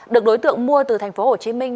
được đối tượng mua từ thành phố hồ chí minh